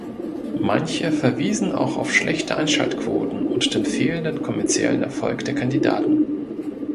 Manche verwiesen auch auf schlechte Einschaltquoten und den fehlenden kommerziellen Erfolg der Kandidaten.